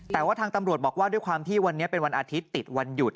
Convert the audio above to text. แต่ว่าทางตำรวจบอกว่าด้วยความที่วันนี้เป็นวันอาทิตย์ติดวันหยุด